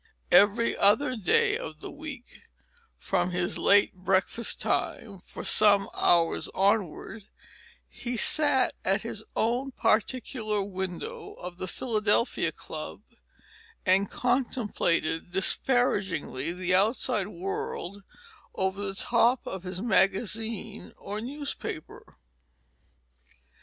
Every other day of the week, from his late breakfast time for some hours onward, he sat at his own particular window of the Philadelphia Club and contemplated disparagingly the outside world over the top of his magazine or newspaper.